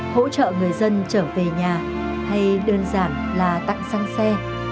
hỗ trợ người dân trở về nhà hay đơn giản là tặng xăng xe